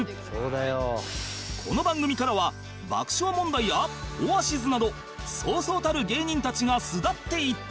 この番組からは爆笑問題やオアシズなどそうそうたる芸人たちが巣立っていった